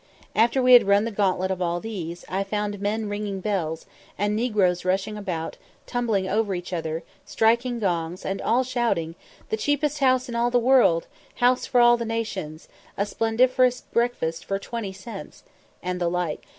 After we had run the gauntlet of all these, I found men ringing bells, and negroes rushing about, tumbling over each other, striking gongs, and all shouting "The cheapest house in all the world house for all nations a splenderiferous breakfast for 20 cents!" and the like.